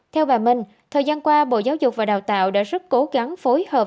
theo bà minh thời gian qua bộ giáo dục và đào tạo đã rất cố gắng phối hợp